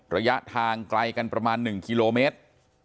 ระยะทางไกลกันประมาณ๑กิโลเมตร